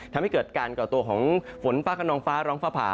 ทำให้เกิดการก่อตัวของฝนฟ้าขนองฟ้าร้องฟ้าผ่า